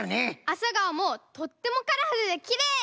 アサガオもとってもカラフルできれい！